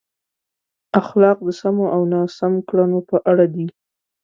اخلاق د سمو او ناسم کړنو په اړه دي.